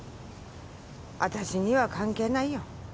私には関係ないよ。